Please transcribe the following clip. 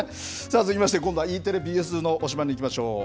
続きまして、今度はＥテレ、ＢＳの推しバン！にいきましょう。